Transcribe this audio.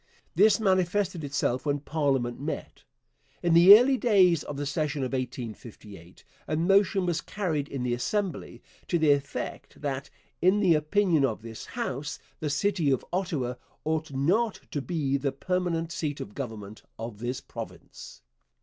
This manifested itself when parliament met. In the early days of the session of 1858 a motion was carried in the Assembly to the effect that 'in the opinion of this House, the city of Ottawa ought not to be the permanent seat of government of this province.'